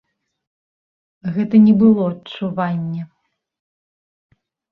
Гэта не было адчуванне.